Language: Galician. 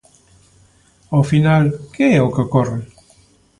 Ao final, ¿que é o que ocorre?